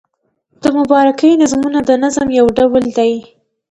د مبارکۍ نظمونه د نظم یو ډول دﺉ.